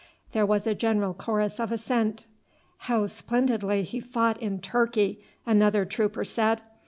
There was a general chorus of assent. "How splendidly he fought in Turkey!" another trooper said.